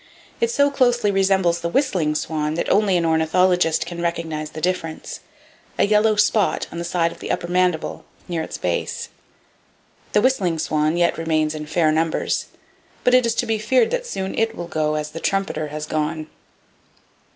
It so closely resembles the whistling swan that only an ornithologist can recognize the difference, a yellow spot on the side of the upper mandible, near its base. The whistling swan yet remains in fair numbers, but it is to be feared that soon it will go as the trumpeter has gone.